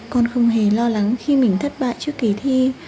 con không hề lo lắng khi mình thất bại trước kỳ thi